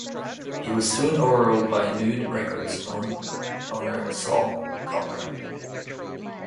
He was soon overruled by Nude Records owner Saul Galpern.